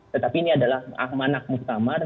tetapi ini adalah ahmad muktamar